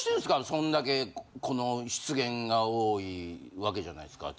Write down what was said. そんだけこの失言が多いわけじゃないですか。